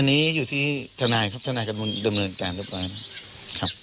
อันนี้อยู่ที่ธนายครับธนายกำลังดำเนินการรับร้อยนะ